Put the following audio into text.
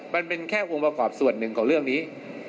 มันเป็นแค่องค์ประกอบส่วนหนึ่งของเรื่องนี้